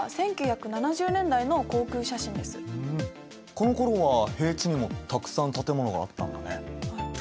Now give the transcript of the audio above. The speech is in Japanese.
このころは平地にもたくさん建物があったんだね。